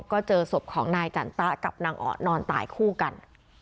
ก็เจอศพของนายจันตะกับนางออดนอนตายคู่กัน